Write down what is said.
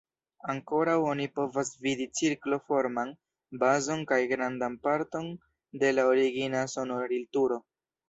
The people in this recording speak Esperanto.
Ankoraŭ oni povas vidi cirklo-forman bazon kaj grandan parton de la origina sonorilturo.